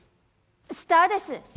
スターです。